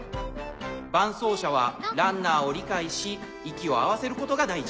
伴走者はランナーを理解し息を合わせることが大事。